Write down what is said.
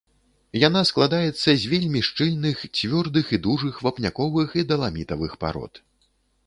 Яна складаецца з вельмі шчыльных, цвёрдых і дужых вапняковых і даламітавых парод.